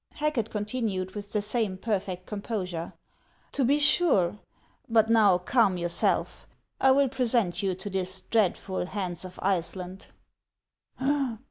Hacket continued with the same perfect composure :" To be sure. But now calm yourself ; I will present you to this dreadful Hans of Iceland."